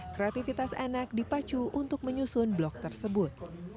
kreativitas anak dipacu untuk menyusun blok tersebut